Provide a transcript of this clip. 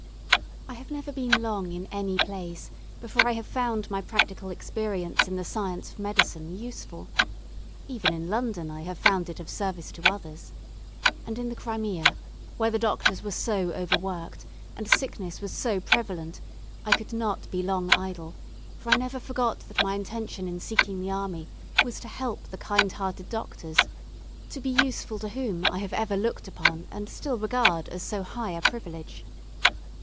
I have never been long in any place before I have found my practical experience in the science of medicine useful. Even in London I have found it of service to others. And in the Crimea, where the doctors were so overworked, and sickness was so prevalent, I could not be long idle; for I never forgot that my intention in seeking the army was to help the kind hearted doctors, to be useful to whom I have ever looked upon and still regard as so high a privilege.